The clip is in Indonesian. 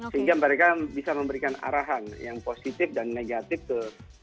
sehingga mereka bisa memberikan arahan yang positif dan negatif ke